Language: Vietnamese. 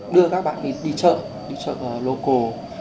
đưa các bạn đi chợ đi chợ local